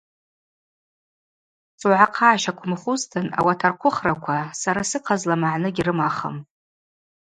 Суагӏахъа гӏащаквымхузтын ауат архъвыхраква сара сыхъазла магӏны гьрымахым.